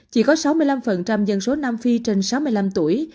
chỉ có sáu mươi năm dân số nam phi trên sáu mươi năm tuổi